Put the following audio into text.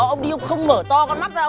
ông đi ông không mở to con mắt với ông